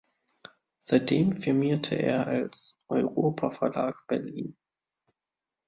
Seitdem firmierte er als "Europa Verlag Berlin".